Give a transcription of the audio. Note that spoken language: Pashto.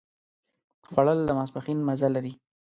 خوړل د ماسپښين مزه لري